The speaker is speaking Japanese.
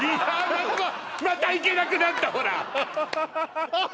またまた行けなくなったほらああ